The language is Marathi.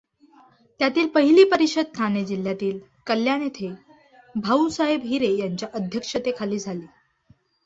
त्यातील पहिली परिषद ठाणे जिल्ह्यातील कल्याण येथे भाऊसाहेब हिरे यांच्या अध्यक्षतेखाली झाली.